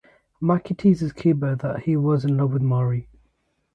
Maki teases Kiba that he was in love with Mari.